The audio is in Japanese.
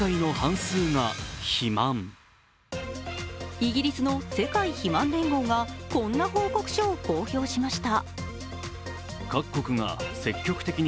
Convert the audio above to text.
イギリスの世界肥満連合がこんな報告書を公表しました。